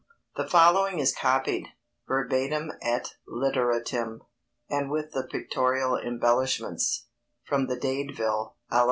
The following is copied, verbatim et literatim, and with the pictorial embellishments, from The Dadeville (Ala.)